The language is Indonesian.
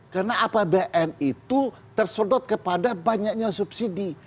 karena apbn itu tersedot kepada banyaknya subsidi